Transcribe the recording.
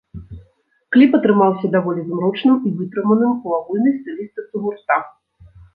Кліп атрымаўся даволі змрочным і вытрыманым у агульнай стылістыцы гурта.